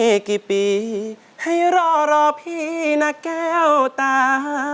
อีกกี่ปีให้รอรอพี่นะแก้วตา